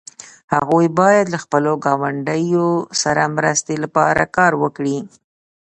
هغوی باید له خپلو ګاونډیو سره مرستې لپاره کار وکړي.